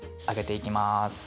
揚げていきます。